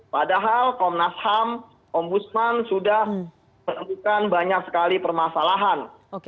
padahal komnas ham ombudsman sudah menemukan banyak sekali permasalahan